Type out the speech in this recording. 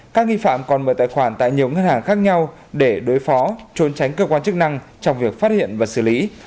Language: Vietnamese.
các nghi phạm còn mở tài khoản tại nhiều ngân hàng khác nhau để đối phó trốn tránh cơ quan chức năng trong việc phát hiện và xử lý